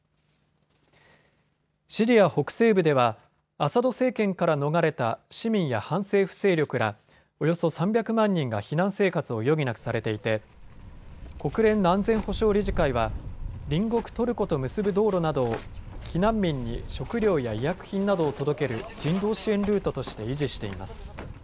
シリア北西部ではアサド政権から逃れた市民や反政府勢力らおよそ３００万人が避難生活を余儀なくされていて国連の安全保障理事会は隣国トルコと結ぶ道路などを避難民に食料や医薬品などを届ける人道支援ルートとして維持しています。